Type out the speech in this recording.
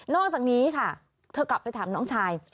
อกจากนี้ค่ะเธอกลับไปถามน้องชาย